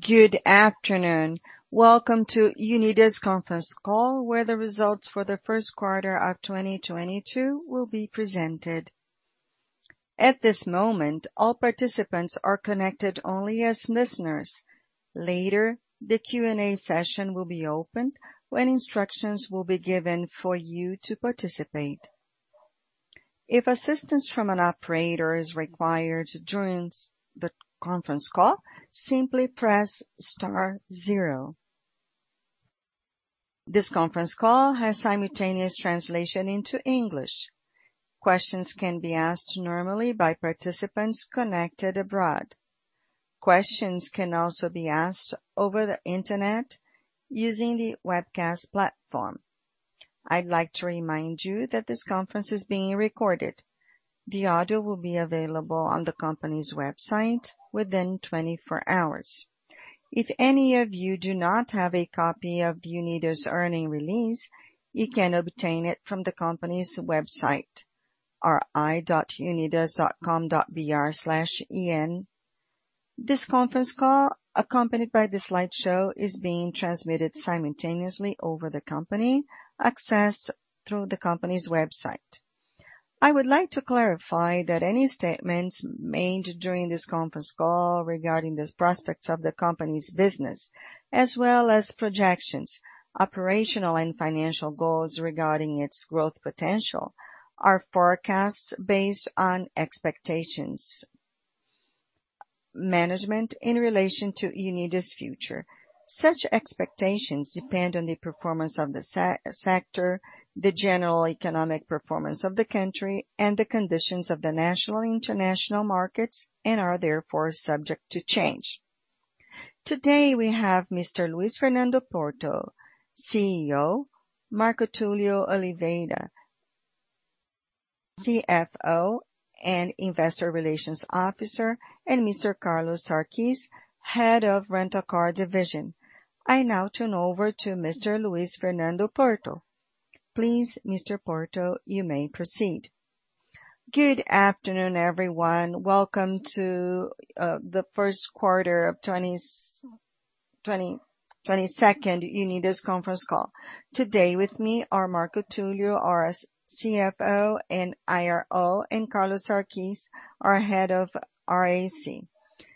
Good afternoon. Welcome to Unidas conference call, where the results for the first quarter of 2022 will be presented. At this moment, all participants are connected only as listeners. Later, the Q&A session will be opened when instructions will be given for you to participate. If assistance from an operator is required during the conference call, simply press star zero. This conference call has simultaneous translation into English. Questions can be asked normally by participants connected abroad. Questions can also be asked over the Internet using the webcast platform. I'd like to remind you that this conference is being recorded. The audio will be available on the company's website within 24 hours. If any of you do not have a copy of the Unidas earnings release, you can obtain it from the company's website, ri.unidas.com.br/en. This conference call, accompanied by the slideshow, is being transmitted simultaneously over the company, accessed through the company's website. I would like to clarify that any statements made during this conference call regarding the prospects of the company's business as well as projections, operational and financial goals regarding its growth potential are forecasts based on expectations. Management in relation to Unidas' future. Such expectations depend on the performance of the sector, the general economic performance of the country, and the conditions of the national and international markets, and are therefore subject to change. Today, we have Mr. Luiz Fernando Porto, CEO, Marco Túlio Oliveira, CFO and Investor Relations Officer, and Mr. Carlos Sarquis, Head of Rental Car Division. I now turn over to Mr. Luiz Fernando Porto. Please, Mr. Porto, you may proceed. Good afternoon, everyone. Welcome to the first quarter of 2022 Unidas conference call. Today with me are Marco Túlio, our CFO and IRO, and Carlos Sarquis, our head of RAC.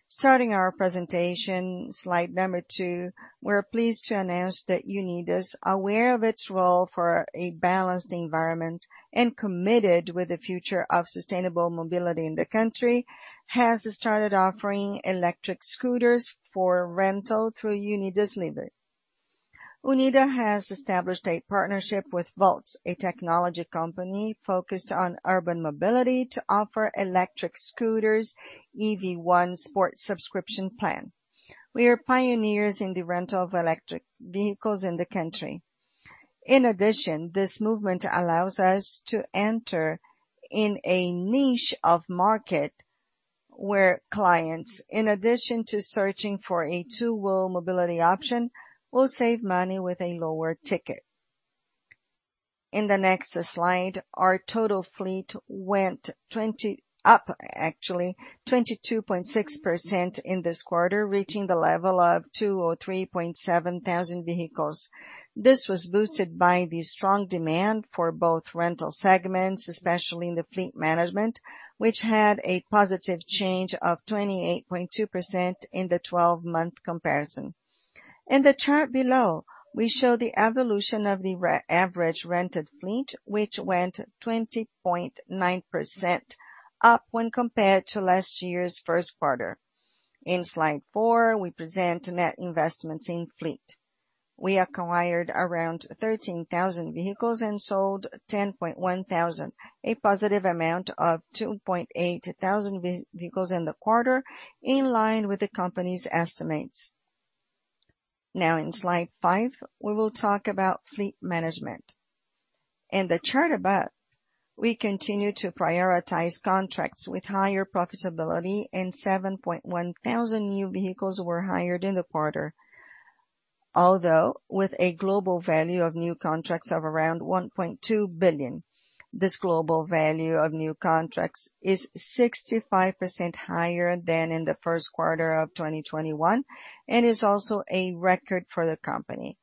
Starting our presentation, slide number two, we're pleased to announce that Unidas, aware of its role for a balanced environment and committed with the future of sustainable mobility in the country, has started offering electric scooters for rental through Unidas Livre. Unidas has established a partnership with Voltz, a technology company focused on urban mobility, to offer electric scooters, EV1 Sport subscription plan. We are pioneers in the rental of electric vehicles in the country. In addition, this movement allows us to enter in a niche of market where clients, in addition to searching for a two-wheel mobility option, will save money with a lower ticket. In the next slide, our total fleet went up, actually 22.6% in this quarter, reaching the level of 203,700 vehicles. This was boosted by the strong demand for both rental segments, especially in the fleet management, which had a positive change of 28.2% in the twelve-month comparison. In the chart below, we show the evolution of the average rented fleet, which went 20.9% up when compared to last year's first quarter. In slide four, we present net investments in fleet. We acquired around 13,000 vehicles and sold 10,100, a positive amount of 2,800 vehicles in the quarter, in line with the company's estimates. Now in slide five, we will talk about fleet management. In the chart above, we continue to prioritize contracts with higher profitability, and 7,100 new vehicles were hired in the quarter. Although with a global value of new contracts of around 1.2 billion, this global value of new contracts is 65% higher than in the first quarter of 2021 and is also a record for the company.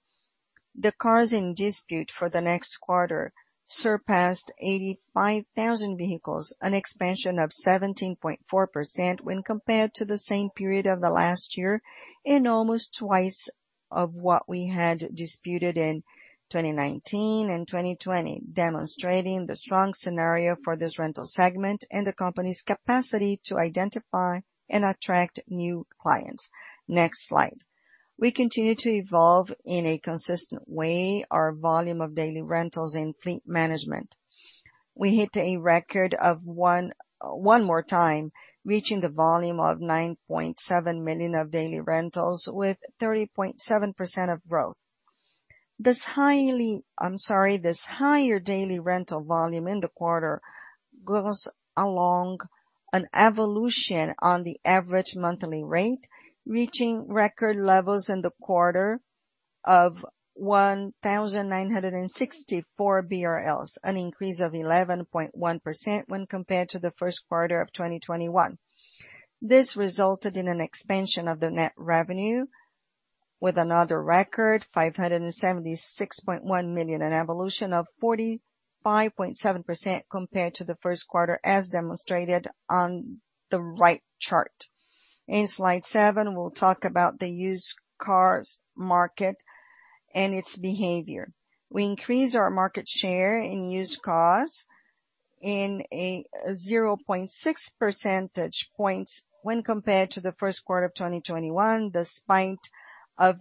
The cars in dispute for the next quarter surpassed 85,000 vehicles, an expansion of 17.4% when compared to the same period of the last year and almost twice of what we had disputed in 2019 and 2020, demonstrating the strong scenario for this rental segment and the company's capacity to identify and attract new clients. Next slide. We continue to evolve in a consistent way our volume of daily rentals in fleet management. We hit a record one more time, reaching the volume of 9.7 million of daily rentals with 30.7% of growth. This higher daily rental volume in the quarter goes along an evolution on the average monthly rate, reaching record levels in the quarter of 1,964 BRL, an increase of 11.1% when compared to the first quarter of 2021. This resulted in an expansion of the net revenue with another record, 576.1 million, an evolution of 45.7% compared to the first quarter as demonstrated on the right chart. In slide seven, we'll talk about the used cars market and its behavior. We increased our market share in used cars by 0.6 percentage points when compared to the first quarter of 2021, despite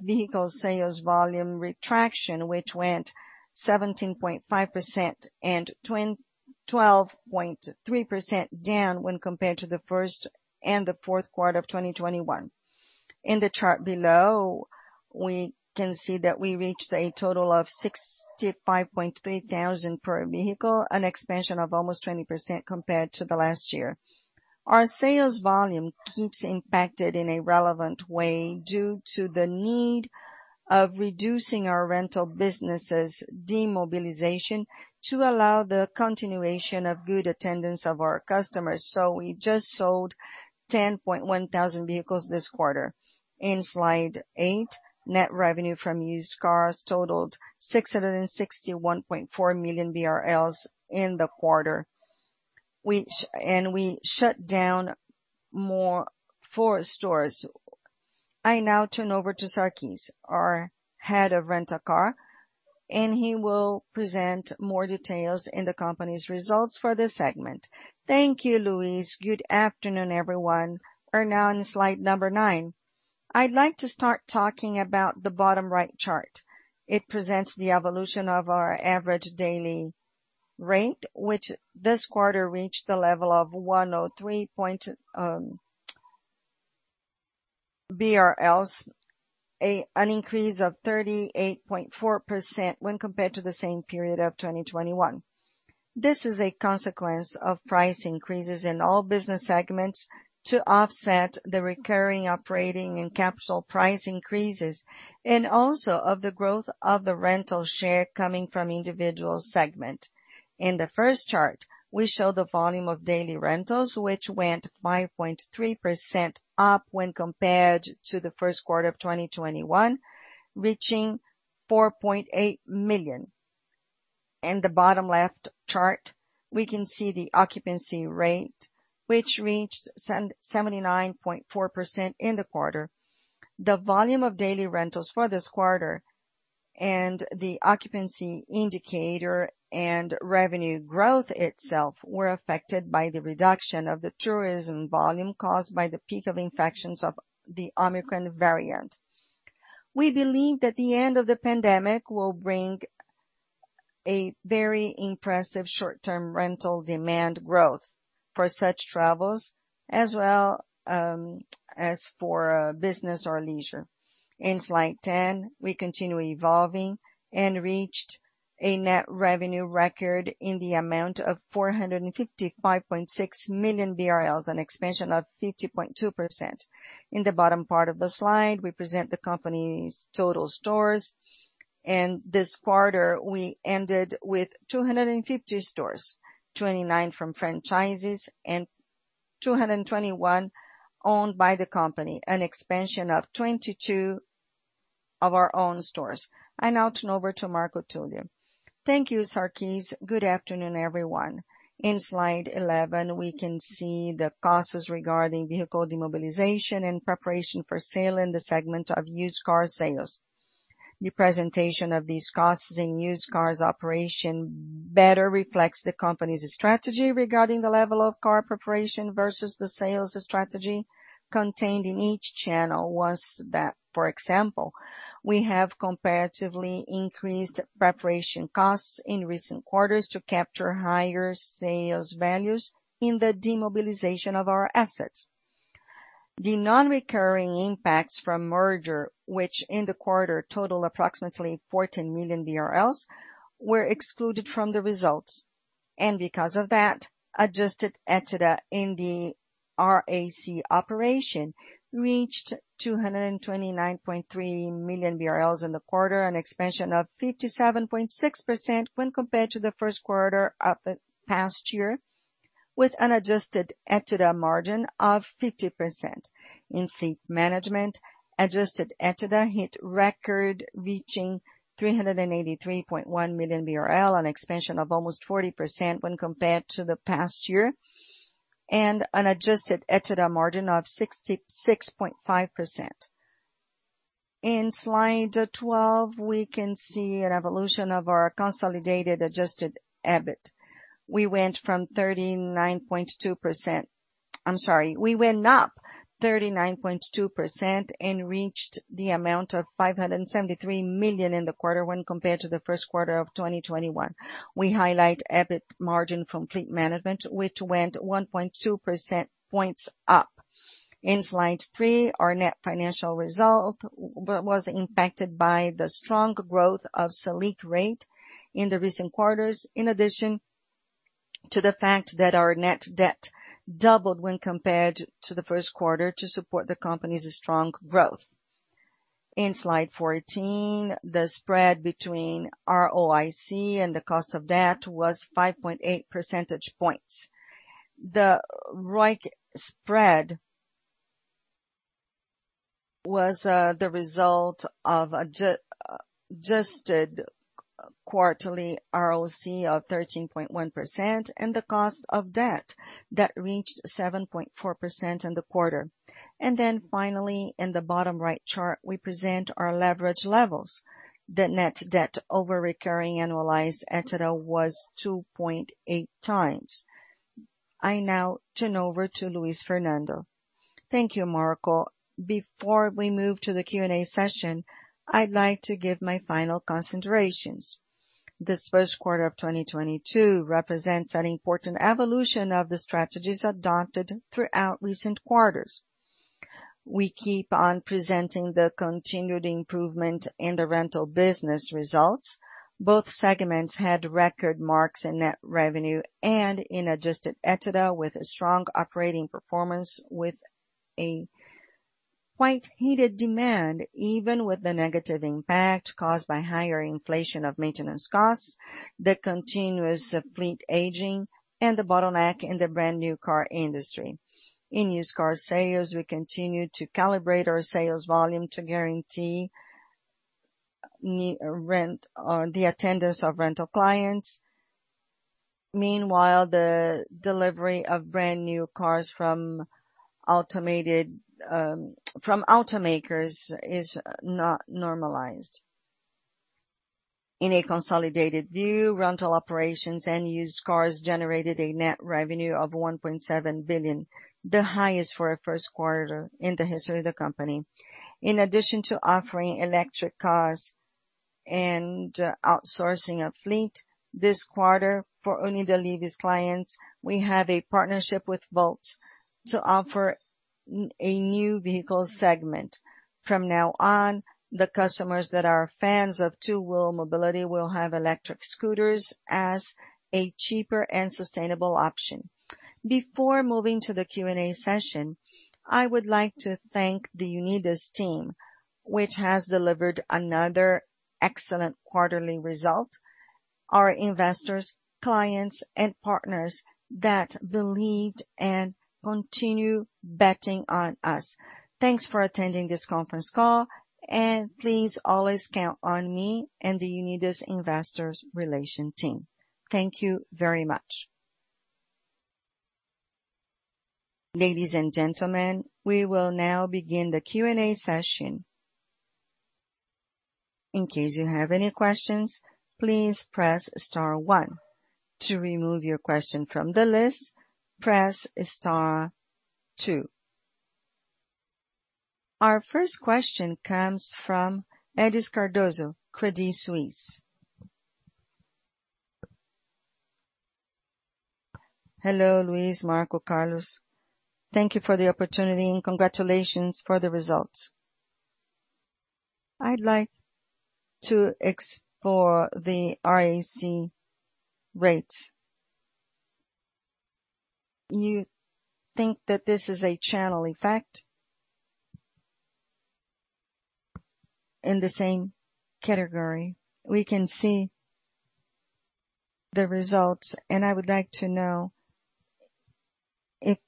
vehicle sales volume retraction, which went 17.5% and 12.3% down when compared to the first and the fourth quarter of 2021. In the chart below, we can see that we reached a total of 65,300 vehicles, an expansion of almost 20% compared to the last year. Our sales volume keeps impacted in a relevant way due to the need to reduce our rental business demobilization to allow the continuation of good service to our customers. We just sold 10,100 vehicles this quarter. In slide eight, net revenue from used cars totaled 661.4 million BRL in the quarter, and we shut down four more stores. I now turn over to Sarquis, our head of Rent-A-Car, and he will present more details in the company's results for this segment. Thank you, Luiz. Good afternoon, everyone. We're now on slide number nine. I'd like to start talking about the bottom right chart. It presents the evolution of our average daily rate, which this quarter reached the level of 103 BRL, an increase of 38.4% when compared to the same period of 2021. This is a consequence of price increases in all business segments to offset the recurring operating and capital price increases, and also of the growth of the rental share coming from individual segment. In the first chart, we show the volume of daily rentals, which went 5.3% up when compared to the first quarter of 2021, reaching 4.8 million. In the bottom left chart, we can see the occupancy rate, which reached 79.4% in the quarter. The volume of daily rentals for this quarter and the occupancy indicator and revenue growth itself were affected by the reduction of the tourism volume caused by the peak of infections of the Omicron variant. We believe that the end of the pandemic will bring a very impressive short-term rental demand growth for such travels as well, as for business or leisure. In slide 10, we continue evolving and reached a net revenue record in the amount of 455.6 million BRL, an expansion of 50.2%. In the bottom part of the slide, we present the company's total stores, and this quarter we ended with 250 stores, 29 from franchises and 221 owned by the company, an expansion of 22 of our own stores. I now turn over to Marco Túlio. Thank you, Sarquis. Good afternoon, everyone. In slide 11, we can see the costs regarding vehicle demobilization and preparation for sale in the segment of used car sales. The presentation of these costs in used cars operation better reflects the company's strategy regarding the level of car preparation versus the sales strategy contained in each channel was that, for example, we have comparatively increased preparation costs in recent quarters to capture higher sales values in the demobilization of our assets. The non-recurring impacts from merger, which in the quarter total approximately 14 million BRL, were excluded from the results. Because of that, adjusted EBITDA in the RAC operation reached 229.3 million BRL in the quarter, an expansion of 57.6% when compared to the first quarter of the past year, with an adjusted EBITDA margin of 50%. In fleet management, adjusted EBITDA hit record reaching 383.1 million BRL, an expansion of almost 40% when compared to the past year, and an adjusted EBITDA margin of 66.5%. In slide 12, we can see an evolution of our consolidated adjusted EBIT. I'm sorry. We went up 39.2% and reached the amount of 573 million in the quarter when compared to the first quarter of 2021. We highlight EBIT margin from fleet management, which went 1.2 percentage points up. In slide three, our net financial result was impacted by the strong growth of Selic rate in the recent quarters. In addition to the fact that our net debt doubled when compared to the first quarter to support the company's strong growth. In slide 14, the spread between ROIC and the cost of debt was 5.8 percentage points. The ROIC spread was the result of adjusted quarterly ROIC of 13.1% and the cost of debt that reached 7.4% in the quarter. Finally, in the bottom right chart, we present our leverage levels. The net debt over recurring annualized EBITDA was 2.8x. I now turn over to Luiz Fernando. Thank you, Marco. Before we move to the Q&A session, I'd like to give my final considerations. This first quarter of 2022 represents an important evolution of the strategies adopted throughout recent quarters. We keep on presenting the continued improvement in the rental business results. Both segments had record marks in net revenue and in adjusted EBITDA with a strong operating performance with a quite heated demand, even with the negative impact caused by higher inflation of maintenance costs, the continuous fleet aging, and the bottleneck in the brand new car industry. In used car sales, we continue to calibrate our sales volume to guarantee the attendance of rental clients. Meanwhile, the delivery of brand new cars from automakers is not normalized. In a consolidated view, rental operations and used cars generated a net revenue of 1.7 billion, the highest for a first quarter in the history of the company. In addition to offering electric cars and outsourcing a fleet this quarter for Unidas Livre clients, we have a partnership with Voltz to offer a new vehicle segment. From now on, the customers that are fans of two-wheel mobility will have electric scooters as a cheaper and sustainable option. Before moving to the Q&A session, I would like to thank the Unidas team, which has delivered another excellent quarterly result, our investors, clients, and partners that believed and continue betting on us. Thanks for attending this conference call, and please always count on me and the Unidas Investor Relations team. Thank you very much. Ladies and gentlemen, we will now begin the Q&A session. In case you have any questions, please press star one. To remove your question from the list, press star two. Our first question comes from Regis Cardoso, Credit Suisse. Hello, Luis, Marco, Carlos, thank you for the opportunity, and congratulations for the results. I'd like to explore the RAC rates. You think that this is a channel effect. In the same category, we can see the results, and I would like to know if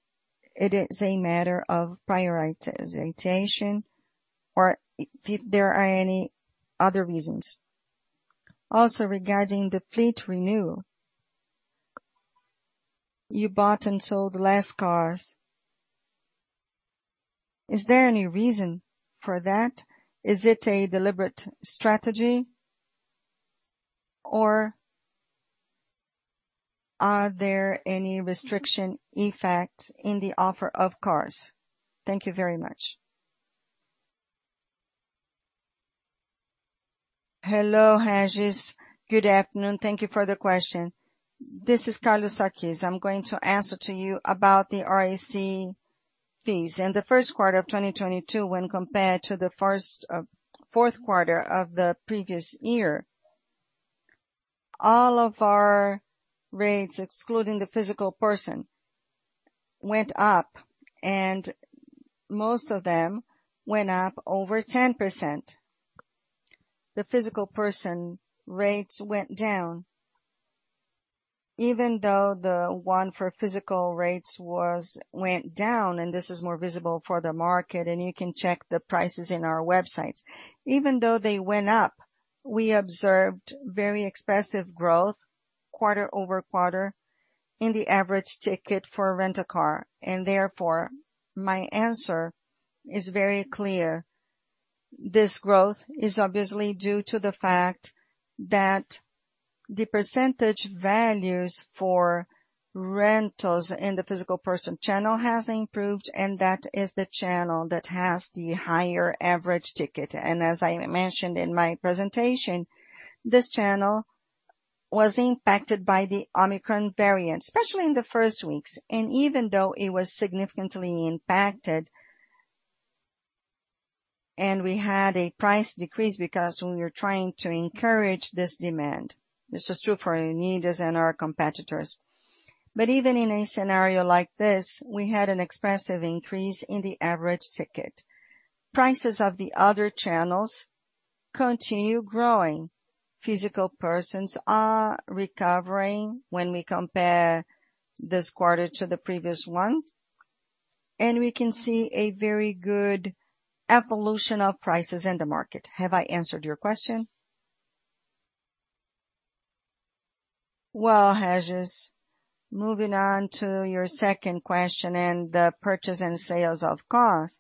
it is a matter of prioritization or if there are any other reasons. Also, regarding the fleet renewal, you bought and sold less cars. Is there any reason for that? Is it a deliberate strategy, or are there any restriction effects in the offer of cars? Thank you very much. Hello, Regis. Good afternoon. Thank you for the question. This is Carlos Sarquis. I'm going to answer to you about the RAC fees. In the first quarter of 2022, when compared to the fourth quarter of the previous year, all of our rates, excluding the physical person, went up, and most of them went up over 10%. The physical person rates went down. Even though the one for physical rates went down, and this is more visible for the market and you can check the prices in our websites. Even though they went up, we observed very expressive growth quarter-over-quarter in the average ticket for Rent-a-Car. Therefore, my answer is very clear. This growth is obviously due to the fact that the percentage values for rentals in the physical person channel has improved, and that is the channel that has the higher average ticket. As I mentioned in my presentation, this channel was impacted by the Omicron variant, especially in the first weeks. Even though it was significantly impacted, we had a price decrease because when we are trying to encourage this demand, this is true for Unidas and our competitors. Even in a scenario like this, we had an expressive increase in the average ticket. Prices of the other channels continue growing. Physical persons are recovering when we compare this quarter to the previous one, and we can see a very good evolution of prices in the market. Have I answered your question? Well, Regis, moving on to your second question in the purchase and sales of cars.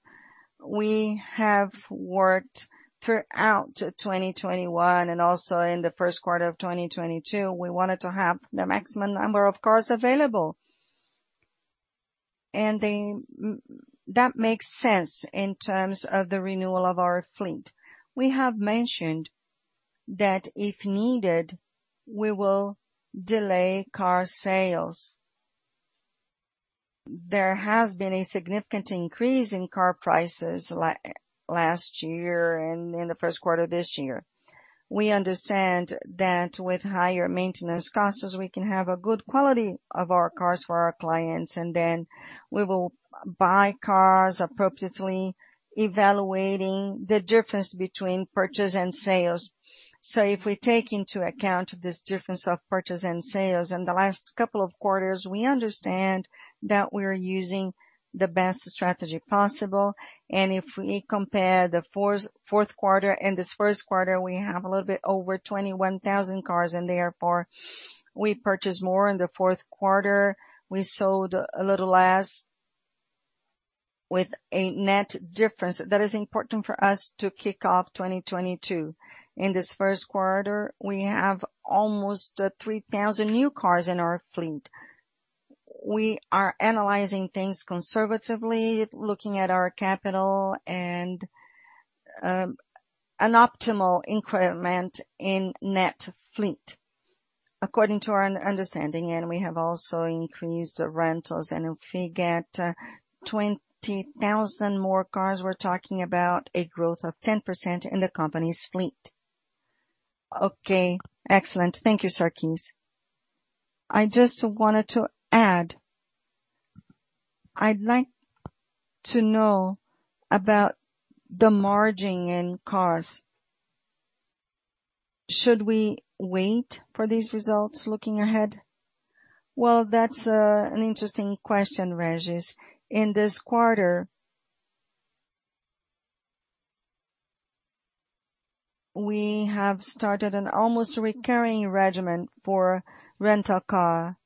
We have worked throughout 2021 and also in the first quarter of 2022, we wanted to have the maximum number of cars available. That makes sense in terms of the renewal of our fleet. We have mentioned that if needed, we will delay car sales. There has been a significant increase in car prices last year and in the first quarter this year. We understand that with higher maintenance costs, we can have a good quality of our cars for our clients, and then we will buy cars appropriately evaluating the difference between purchase and sales. If we take into account this difference of purchase and sales in the last couple of quarters, we understand that we're using the best strategy possible. If we compare the fourth quarter and this first quarter, we have a little bit over 21,000 cars and therefore we purchased more in the fourth quarter. We sold a little less with a net difference that is important for us to kick off 2022. In this first quarter, we have almost 3,000 new cars in our fleet. We are analyzing things conservatively, looking at our capital and an optimal increment in net fleet according to our understanding, and we have also increased the rentals. If we get 20,000 more cars, we're talking about a growth of 10% in the company's fleet. Okay. Excellent. Thank you, Sarquis. I just wanted to add. I'd like to know about the margin in cars. Should we wait for these results looking ahead? Well, that's an interesting question, Regis. In this quarter we have started an almost recurring regimen for rental car.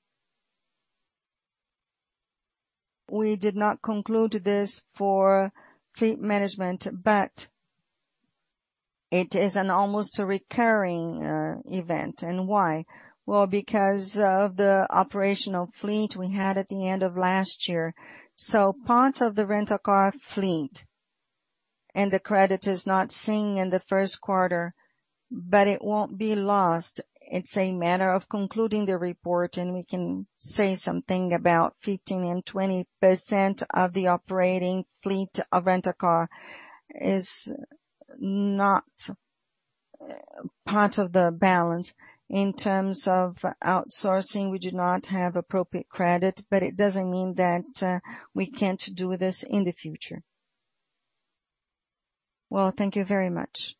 We did not conclude this for fleet management, but it is an almost recurring event. Why? Well, because of the operational fleet we had at the end of last year. So part of the rental car fleet and the credit is not seen in the first quarter, but it won't be lost. It's a matter of concluding the report, and we can say something about 15%-20% of the operating fleet of rental car is not part of the balance. In terms of outsourcing, we do not have appropriate credit, but it doesn't mean that we can't do this in the future. Well, thank you very much.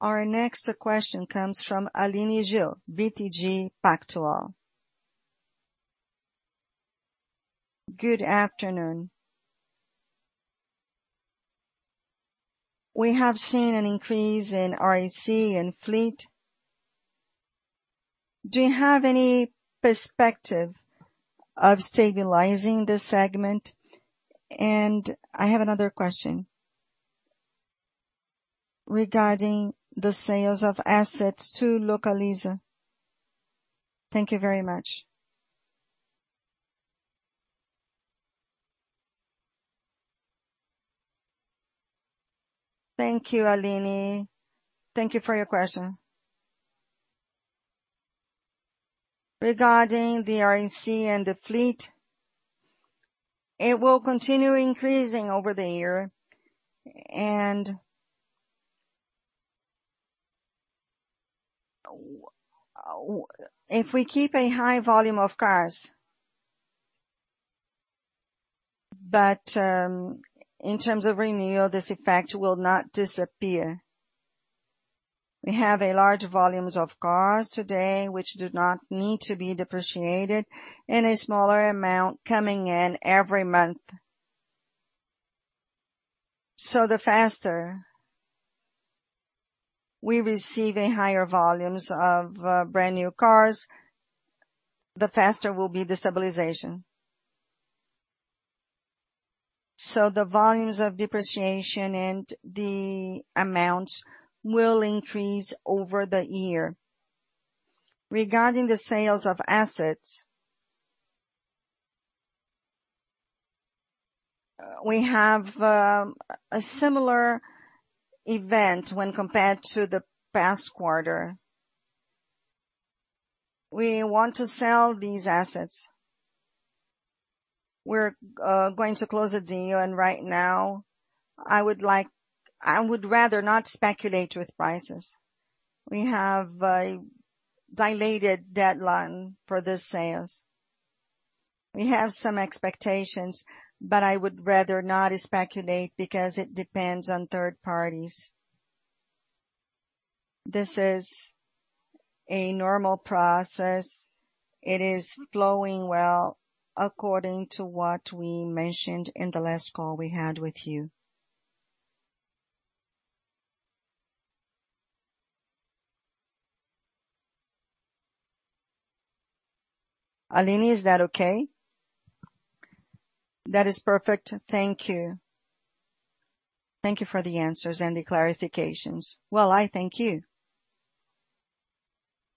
Our next question comes from Aline Gil, BTG Pactual. Good afternoon. We have seen an increase in ROIC and fleet. Do you have any perspective of stabilizing this segment? I have another question regarding the sales of assets to Localiza. Thank you very much. Thank you, Aline. Thank you for your question. Regarding the ROIC and the fleet, it will continue increasing over the year. If we keep a high volume of cars, but in terms of renewal, this effect will not disappear. We have a large volumes of cars today which do not need to be depreciated, and a smaller amount coming in every month. The faster we receive a higher volumes of brand-new cars, the faster will be the stabilization. The volumes of depreciation and the amounts will increase over the year. Regarding the sales of assets, we have a similar event when compared to the past quarter. We want to sell these assets. We're going to close a deal, and right now, I would like. I would rather not speculate with prices. We have a dilated deadline for the sales. We have some expectations, but I would rather not speculate because it depends on third parties. This is a normal process. It is flowing well according to what we mentioned in the last call we had with you. Aline, is that okay? That is perfect. Thank you. Thank you for the answers and the clarifications. Well, I thank you.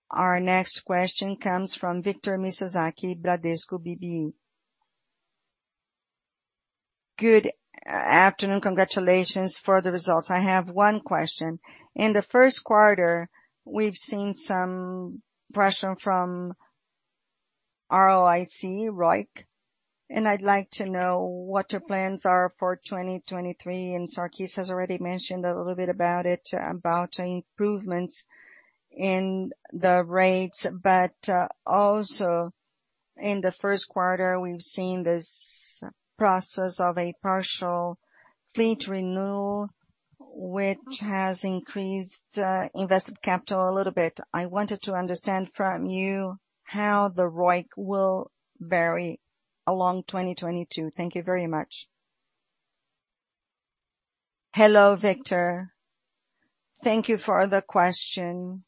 Our next question comes from Victor Mizusaki, Bradesco BBI. Good afternoon. Congratulations for the results. I have one question. In the first quarter, we've seen some pressure from ROIC, and I'd like to know what your plans are for 2023, and Sarquis has already mentioned a little bit about it, about improvements in the rates. Also in the first quarter, we've seen this process of a partial fleet renewal which has increased invested capital a little bit. I wanted to understand from you how the ROIC will vary along 2022. Thank you very much. Hello, Victor. Thank you for the question.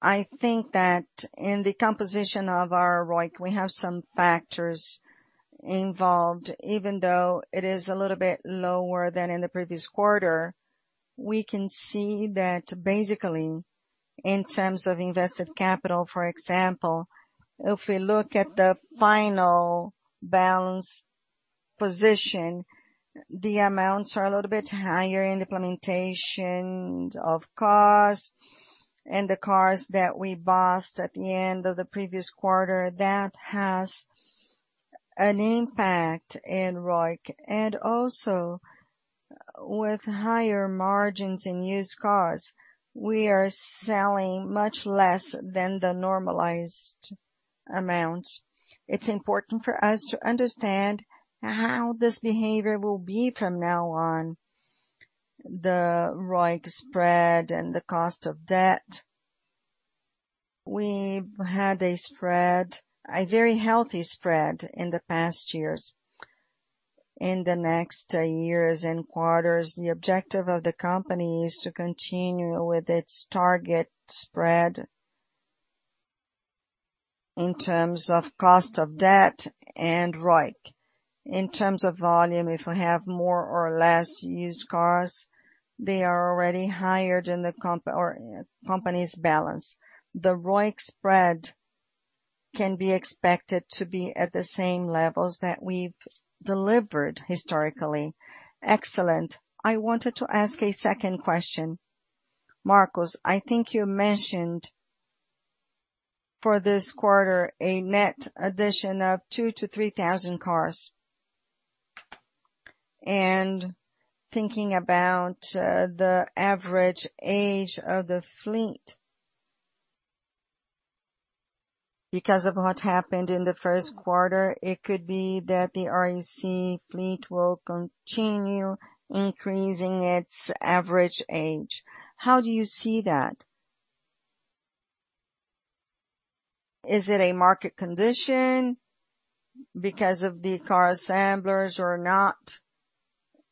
I think that in the composition of our ROIC, we have some factors involved. Even though it is a little bit lower than in the previous quarter, we can see that basically, in terms of invested capital, for example, if we look at the final balance position, the amounts are a little bit higher in the implementation of cars and the cars that we bought at the end of the previous quarter. That has an impact in ROIC. Also, with higher margins in used cars, we are selling much less than the normalized amounts. It's important for us to understand how this behavior will be from now on, the ROIC spread and the cost of debt. We've had a spread, a very healthy spread in the past years. In the next years and quarters, the objective of the company is to continue with its target spread in terms of cost of debt and ROIC. In terms of volume, if we have more or less used cars, they are already higher than the company's balance. The ROIC spread can be expected to be at the same levels that we've delivered historically. Excellent. I wanted to ask a second question. Marcos, I think you mentioned for this quarter a net addition of two-three thousand cars. Thinking about the average age of the fleet. Because of what happened in the first quarter, it could be that the RAC fleet will continue increasing its average age. How do you see that? Is it a market condition because of the car assemblers or not?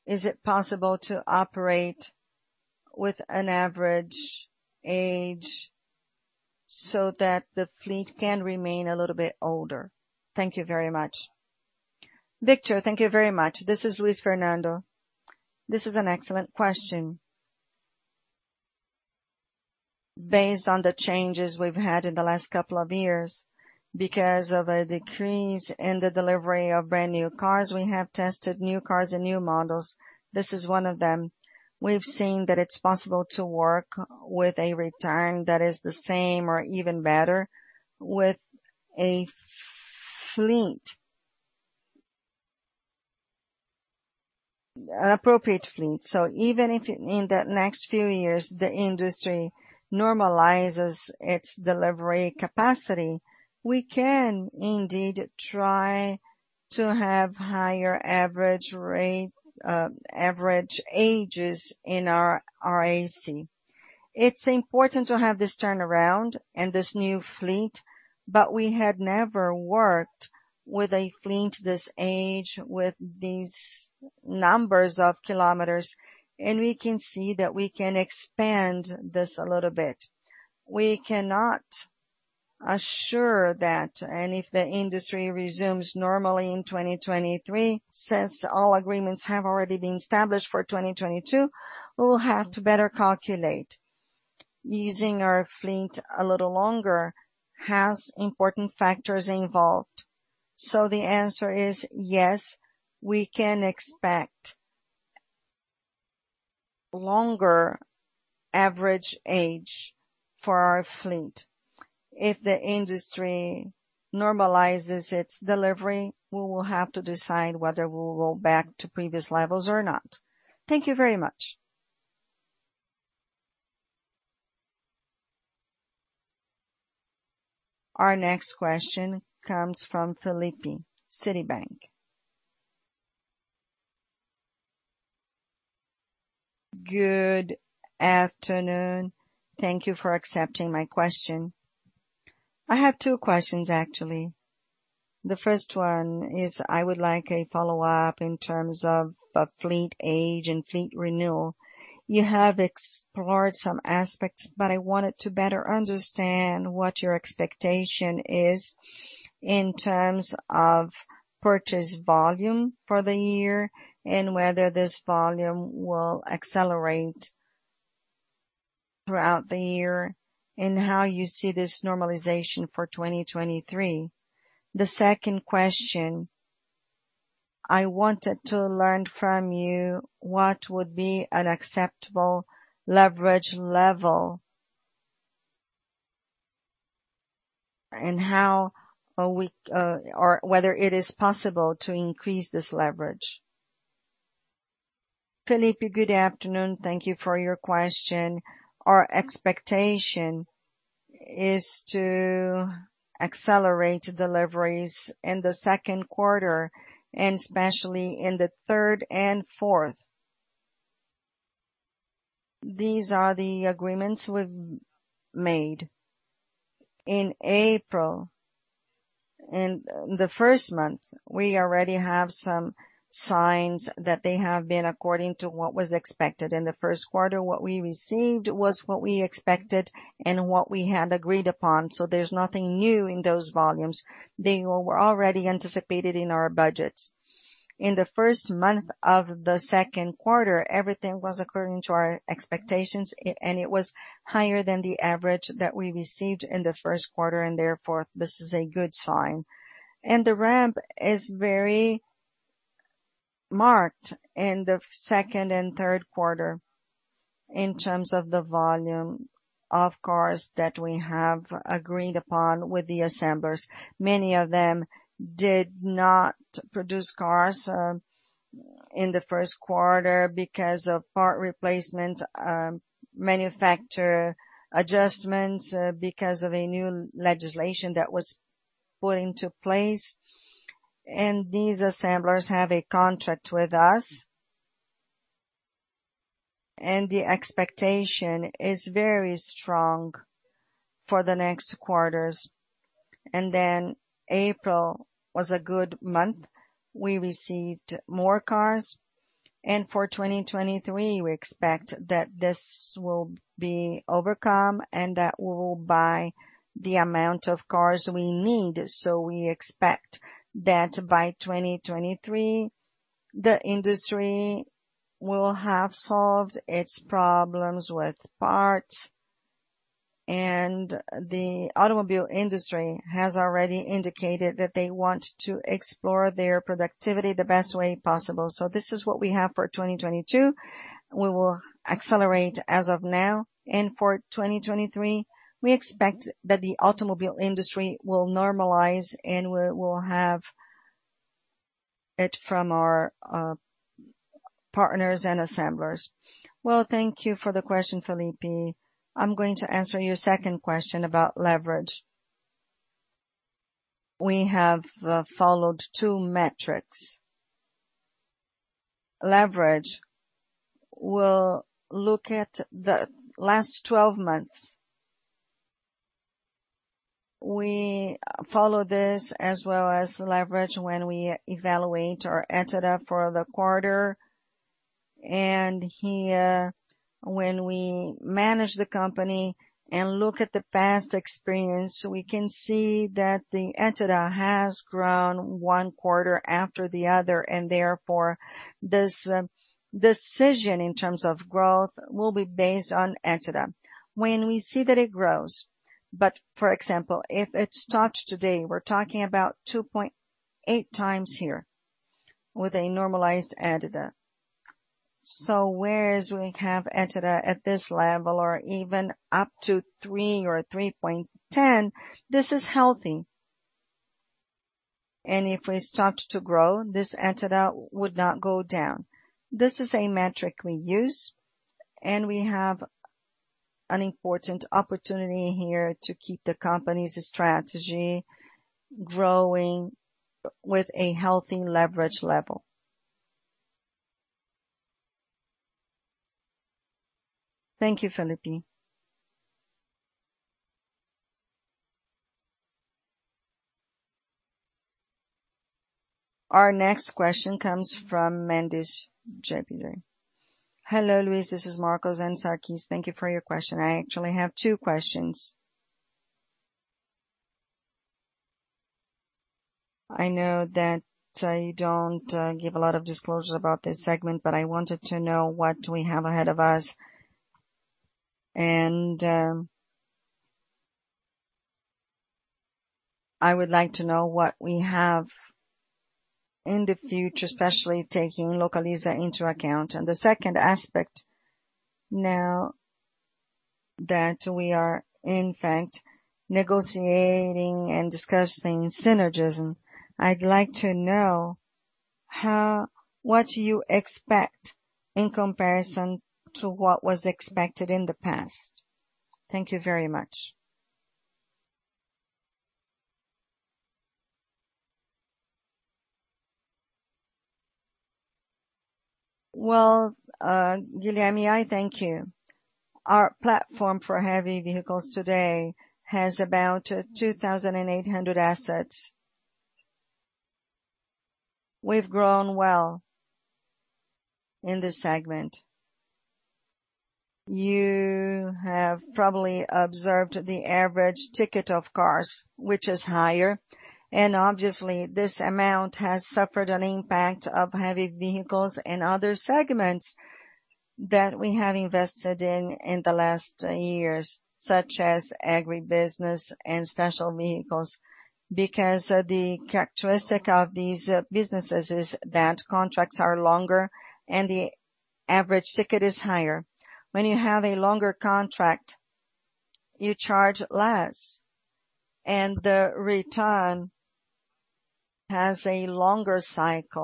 Is it possible to operate with an average age so that the fleet can remain a little bit older? Thank you very much. Victor, thank you very much. This is Luiz Fernando. This is an excellent question. Based on the changes we've had in the last couple of years, because of a decrease in the delivery of brand-new cars, we have tested new cars and new models. This is one of them. We've seen that it's possible to work with a return that is the same or even better with a fleet. An appropriate fleet. Even if in the next few years, the industry normalizes its delivery capacity, we can indeed try to have higher average age, average ages in our RAC. It's important to have this turnaround and this new fleet, but we had never worked with a fleet this age, with these numbers of kilometers, and we can see that we can expand this a little bit. We cannot assure that, and if the industry resumes normally in 2023, since all agreements have already been established for 2022, we'll have to better calculate. Using our fleet a little longer has important factors involved. The answer is yes, we can expect longer average age for our fleet. If the industry normalizes its delivery, we will have to decide whether we'll go back to previous levels or not. Thank you very much. Our next question comes from Felipe, Citi. Good afternoon. Thank you for accepting my question. I have two questions, actually. The first one is I would like a follow-up in terms of fleet age and fleet renewal. You have explored some aspects, but I wanted to better understand what your expectation is in terms of purchase volume for the year and whether this volume will accelerate throughout the year and how you see this normalization for 2023. The second question, I wanted to learn from you what would be an acceptable leverage level, and how are we, or whether it is possible to increase this leverage. Felipe, good afternoon. Thank you for your question. Our expectation is to accelerate deliveries in the second quarter, and especially in the third and fourth. These are the agreements we've made. In April, in the first month, we already have some signs that they have been according to what was expected. In the first quarter, what we received was what we expected and what we had agreed upon. There's nothing new in those volumes. They were already anticipated in our budgets. In the first month of the second quarter, everything was according to our expectations and it was higher than the average that we received in the first quarter, and therefore, this is a good sign. The ramp is very marked in the second and third quarter in terms of the volume, of course, that we have agreed upon with the assemblers. Many of them did not produce cars in the first quarter because of part replacements, manufacture adjustments, because of a new legislation that was put into place. These assemblers have a contract with us. The expectation is very strong for the next quarters. Then April was a good month. We received more cars. For 2023, we expect that this will be overcome and that we will buy the amount of cars we need. We expect that by 2023, the industry will have solved its problems with parts. The automobile industry has already indicated that they want to explore their productivity the best way possible. This is what we have for 2022. We will accelerate as of now. For 2023, we expect that the automobile industry will normalize, and we'll have it from our partners and assemblers. Well, thank you for the question, Felipe. I'm going to answer your second question about leverage. We have followed two metrics. Leverage, we'll look at the last 12 months. We follow this as well as leverage when we evaluate our EBITDA for the quarter. Here, when we manage the company and look at the past experience, we can see that the EBITDA has grown one quarter after the other, and therefore this decision in terms of growth will be based on EBITDA. When we see that it grows, but for example, if it starts today, we're talking about 2.8x here with a normalized EBITDA. Whereas we have EBITDA at this level or even up to 3 or 3.10, this is healthy. If we start to grow, this EBITDA would not go down. This is a metric we use, and we have an important opportunity here to keep the company's strategy growing with a healthy leverage level. Thank you, Felipe. Our next question comes from Guilherme Mendes Jabur. Hello, Luiz. This is Marcos Assumpção. Thank you for your question. I actually have two questions. I know that I don't give a lot of disclosures about this segment, but I wanted to know what we have ahead of us. I would like to know what we have in the future, especially taking Localiza into account. The second aspect, now that we are in fact negotiating and discussing synergism, I'd like to know what you expect in comparison to what was expected in the past. Thank you very much. Well, Guilherme, I thank you. Our platform for heavy vehicles today has about 2,800 assets. We've grown well in this segment. You have probably observed the average ticket of cars, which is higher, and obviously this amount has suffered an impact of heavy vehicles and other segments that we have invested in the last years, such as agribusiness and special vehicles. Because the characteristic of these businesses is that contracts are longer and the average ticket is higher. When you have a longer contract,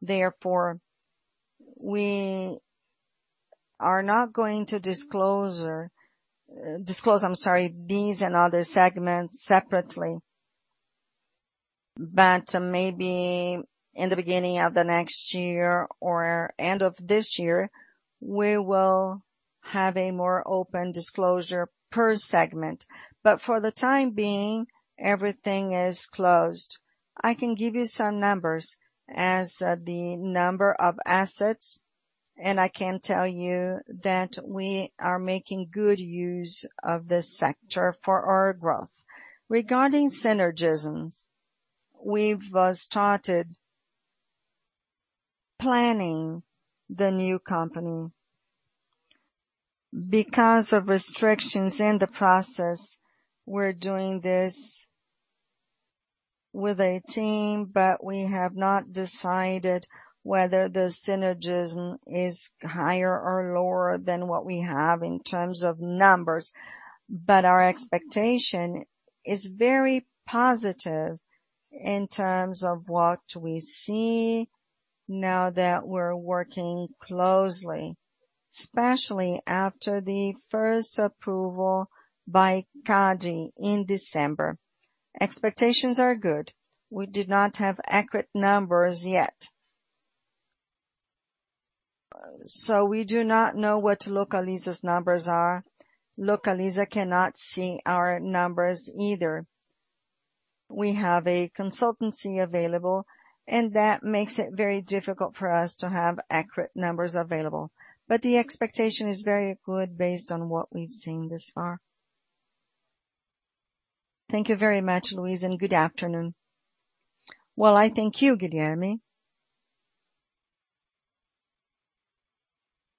you charge less, and the return has a longer cycle. Therefore, we are not going to disclose these and other segments separately. Maybe in the beginning of the next year or end of this year, we will have a more open disclosure per segment. For the time being, everything is closed. I can give you some numbers as the number of assets, and I can tell you that we are making good use of this sector for our growth. Regarding synergies, we've started planning the new company. Because of restrictions in the process, we're doing this with a team, but we have not decided whether the synergism is higher or lower than what we have in terms of numbers. Our expectation is very positive in terms of what we see now that we're working closely, especially after the first approval by CADE in December. Expectations are good. We do not have accurate numbers yet. We do not know what Localiza's numbers are. Localiza cannot see our numbers either. We have a consultancy available, and that makes it very difficult for us to have accurate numbers available. The expectation is very good based on what we've seen thus far. Thank you very much, Luiz. Good afternoon. Well, I thank you, Guilherme.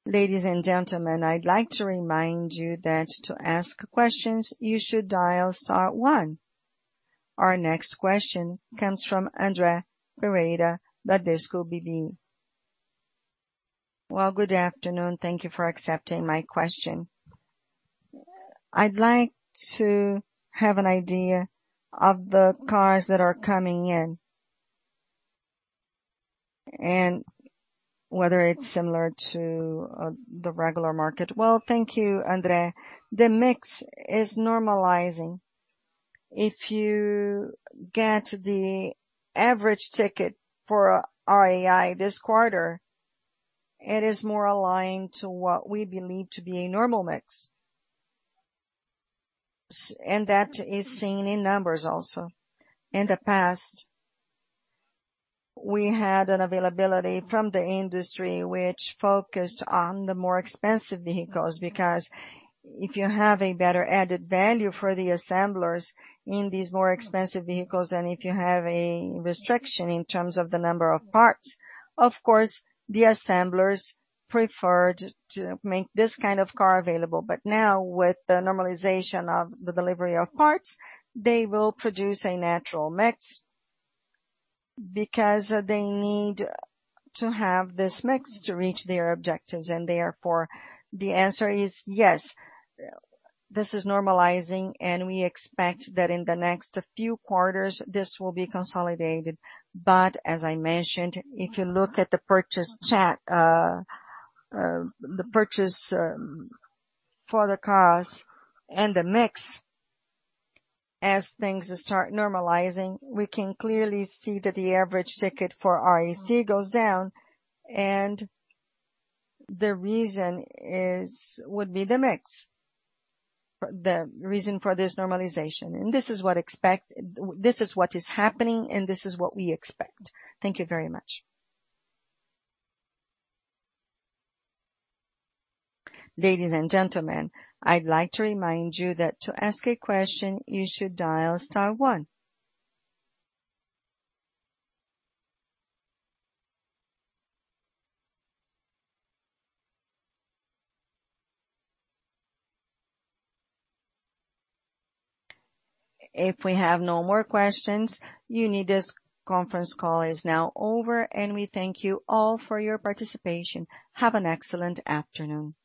Ladies and gentlemen, I'd like to remind you that to ask questions, you should dial star one. Our next question comes from André Ferreira, Bradesco BBI. Well, good afternoon. Thank you for accepting my question. I'd like to have an idea of the cars that are coming in and whether it's similar to the regular market. Well, thank you, André. The mix is normalizing. If you get the average ticket for RAC this quarter, it is more aligned to what we believe to be a normal mix. And that is seen in numbers also. In the past, we had an availability from the industry which focused on the more expensive vehicles, because if you have a better added value for the assemblers in these more expensive vehicles than if you have a restriction in terms of the number of parts, of course, the assemblers preferred to make this kind of car available. Now with the normalization of the delivery of parts, they will produce a natural mix because they need to have this mix to reach their objectives. Therefore, the answer is yes, this is normalizing, and we expect that in the next few quarters this will be consolidated. As I mentioned, if you look at the purchase for the cars and the mix as things start normalizing, we can clearly see that the average ticket for RAC goes down. The reason would be the mix, the reason for this normalization. This is what is happening and this is what we expect. Thank you very much. Ladies and gentlemen, I'd like to remind you that to ask a question, you should dial star one. If we have no more questions, Unidas conference call is now over and we thank you all for your participation. Have an excellent afternoon.